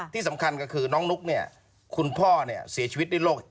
ที่สำคัญก็คือน้องนุ๊กเนี่ยคุณพ่อเนี่ยเสียชีวิตด้วยโรค